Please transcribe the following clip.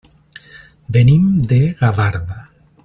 Venim de Gavarda.